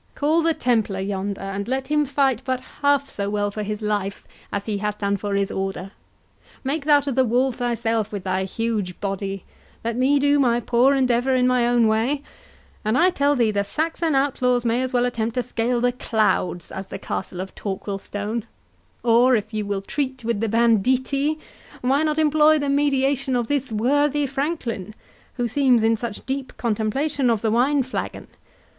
Call the Templar yonder, and let him fight but half so well for his life as he has done for his Order—Make thou to the walls thyself with thy huge body—Let me do my poor endeavour in my own way, and I tell thee the Saxon outlaws may as well attempt to scale the clouds, as the castle of Torquilstone; or, if you will treat with the banditti, why not employ the mediation of this worthy franklin, who seems in such deep contemplation of the wine flagon?